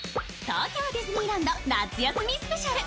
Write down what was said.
東京ディズニーランド夏休みスペシャル。